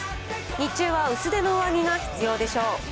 日中は薄手の上着が必要でしょう。